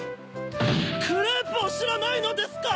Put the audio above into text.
クレープをしらないのですか